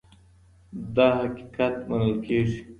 دا حقيقت منل کيږي.